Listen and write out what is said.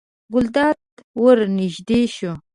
ګلداد ته ور نږدې شوه.